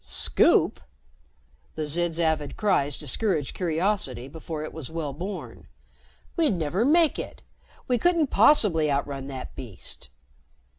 "Scoop?" The Zid's avid cries discouraged curiosity before it was well born. "We'd never make it. We couldn't possibly outrun that beast."